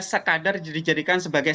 sekadar dijadikan sebagai